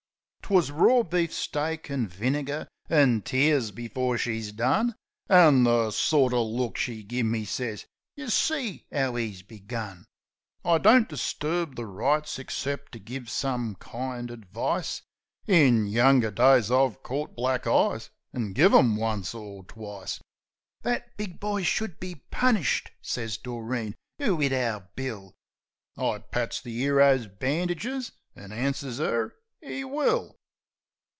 'Twus raw beef steak an' vinegar, an' tears, before she's done. An' the sort uv look she gimme sez, "Yeh see 'ow Vs begun!" I don't disturb the rites excep' to give some kind advice. In younger days I've caught black eyes, an' give 'em once or twice. "That big boy should be punished," sez Doreen, " 'oo 'it our Bill." I pats the 'ero's bandages, an' answers 'er, u 'E will."